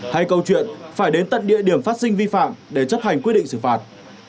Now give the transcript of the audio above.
hay câu chuyện phải đến tận địa điểm phát sinh vi phạm để chấp hành quyết định xử phạt